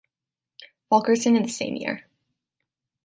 Fulkerson in the same year.